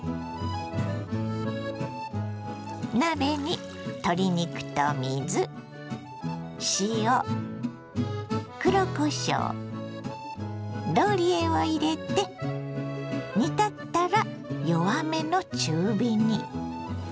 鍋に鶏肉と水塩黒こしょうローリエを入れて煮立ったら弱めの中火に。